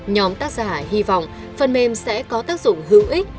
nhóm tác giả hy vọng phần mềm sẽ có tác dụng hữu ích